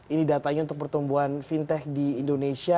ini datanya untuk pertumbuhan fintech di indonesia